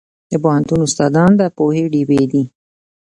د پوهنتون استادان د پوهې ډیوې دي.